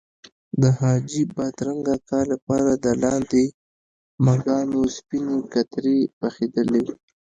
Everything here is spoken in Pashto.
د حاجي بادرنګ اکا لپاره د لاندې مږانو سپینې کترې پخېدلې.